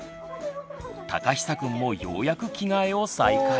たかひさくんもようやく着替えを再開。